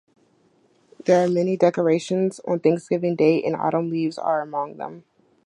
There are many decorations on Thanksgiving Day, and autumn leaves are among them.